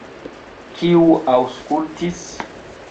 Kiu aŭskultis?